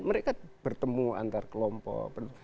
mereka bertemu antar kelompok